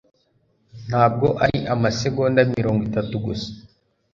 Ntabwo ari amasegonda mirongo itatu gusa